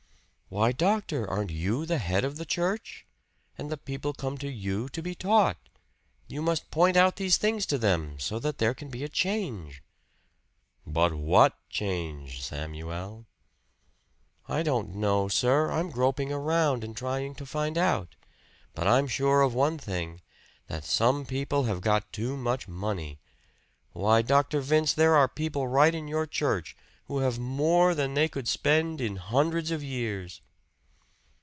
"Why, doctor, aren't you the head of the church? And the people come to you to be taught. You must point out these things to them, so that there can be a change." "But WHAT change, Samuel?" "I don't know, sir. I'm groping around and trying to find out. But I'm sure of one thing that some people have got too much money. Why, Dr. Vince, there are people right in your church who have more than they could spend in hundreds of years."